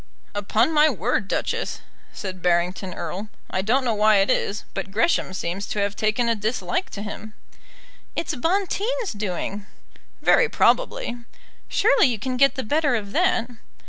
"Upon my word, Duchess," said Barrington Erle, "I don't know why it is, but Gresham seems to have taken a dislike to him." "It's Bonteen's doing." "Very probably." "Surely you can get the better of that?"